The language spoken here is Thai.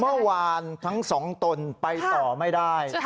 เมื่อวานทั้งสองตนไปต่อไม่ได้